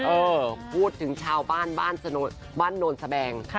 เออพูดถึงชาวบ้านบ้านโนนสแบง